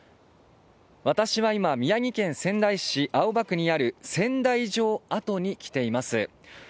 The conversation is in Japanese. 私は今、宮城県仙台市青葉区にある仙台城跡に来ています。